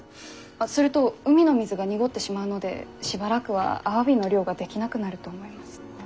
すると海の水が濁ってしまうのでしばらくはアワビの漁ができなくなると思います。